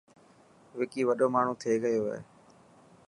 وڪي وڏو ماڻهو ٿي گيو هي.